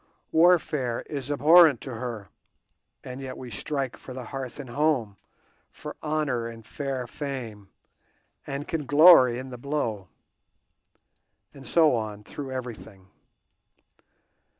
Warfare is abhorrent to her, and yet we strike out for hearth and home, for honour and fair fame, and can glory in the blow. And so on, through everything.